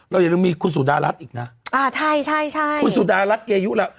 อย่าลืมมีคุณสุดารัฐอีกนะอ่าใช่ใช่คุณสุดารัฐเกยุแล้ว